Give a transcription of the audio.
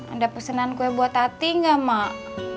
ada pesanan kue buat tati enggak mak